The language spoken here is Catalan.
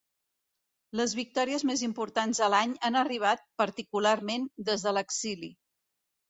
Les victòries més importants de l’any han arribat, particularment, des de l’exili.